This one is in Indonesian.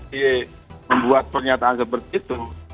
dia membuat pernyataan seperti itu